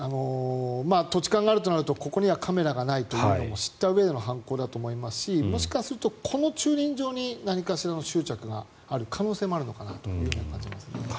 土地勘があるとなるとここにはカメラがないということを知ったうえでの犯行だと思いますしもしかするとこの駐輪場に何かしらの執着があるのかなと感じますね。